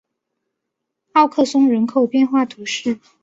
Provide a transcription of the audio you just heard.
奥克松人口变化图示